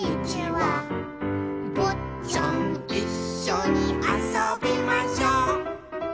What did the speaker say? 「ぼっちゃんいっしょにあそびましょう」